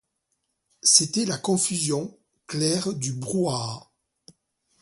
C’était la confusion claire du brouhaha.